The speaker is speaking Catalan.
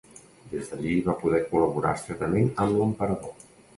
Des d'allí va poder col·laborar estretament amb l'emperador.